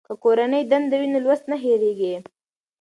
که کورنۍ دنده وي نو لوست نه هېریږي.